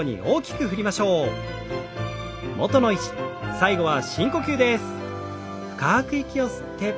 最後は深呼吸です。